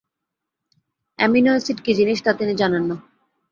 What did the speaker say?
Amino acid কী জিনিস তা তিনি জানেন না।